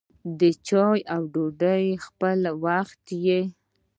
د چايو او ډوډۍ خپله وخت يي.